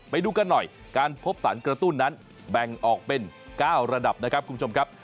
ไปดูกันหน่อยการพบสารกระตุ้นนั้นแบ่งออกเป็น๙ระดับนะครับคุณผู้ชมครับ